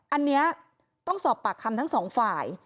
อันนี้ต้องสอบปากคำทั้งสองฝ่าย